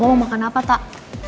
mau makan apa tak